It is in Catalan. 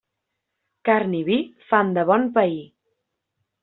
Carn i vi fan de bon pair.